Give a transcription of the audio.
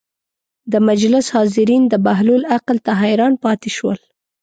د مجلس حاضرین د بهلول عقل ته حیران پاتې شول.